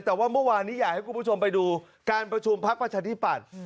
แต่ว่าเมื่อวานนี้อยากให้คุณผู้ชมไปดูการประชุมพักประชาธิปัตย์